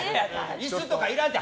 椅子とかいらんって！